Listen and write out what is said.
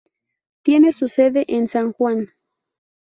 Tiene su sede en San Juan.